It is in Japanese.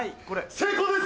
成功です！